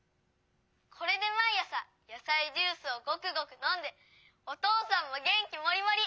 「これでまいあさやさいジュースをごくごくのんでおとうさんもげんきもりもり！